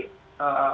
kecuali kalau memang